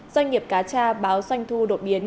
doanh nghiệp cá tra báo doanh thu đột biến